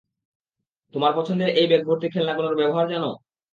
তোমার পছন্দের এই ব্যাগ ভর্তি খেলনাগুলোর ব্যবহার জানো?